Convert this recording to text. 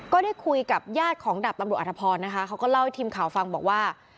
ก็ได้คุยกับญาติของดาบตำรวจอธพรนะคะเขาก็เล่าให้ทีมข่าวฟังบอกว่า